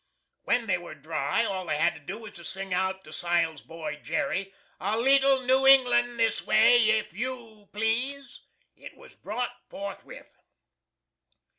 When they were dry all they had to do was to sing out to Sile's boy, Jerry, "a leetle New Englan' this way, if YOU please." It was brought forthwith.